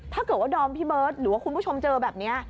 ถ้าเกิดว่าดอมพี่เบิร์ตหรือว่าคุณผู้ชมเจอแบบนี้